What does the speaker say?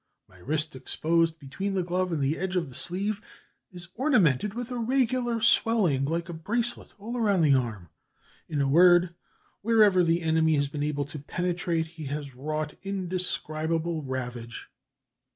My wrist, exposed between the glove and the edge of the sleeve, is ornamented with a regular swelling like a bracelet all round the arm; in a word, wherever the enemy has been able to penetrate, he has wrought indescribable ravage....